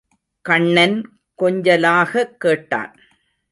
கண்ணன் கொஞ்சலாக கேட்டான்.